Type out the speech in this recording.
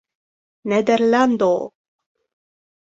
nederlando